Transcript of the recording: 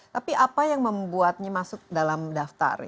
tapi apa yang membuatnya masuk dalam daftar